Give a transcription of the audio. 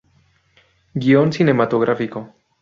Guion cinematográfico.